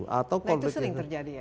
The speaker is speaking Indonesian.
nah itu sering terjadi ya